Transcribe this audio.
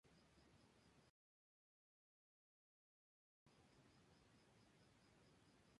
En el Clermont F. A. solo jugó en doce oportunidades.